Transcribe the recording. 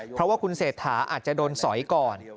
เพราะว่าคุณเศรษฐาอาจจะโดนสอยก่อน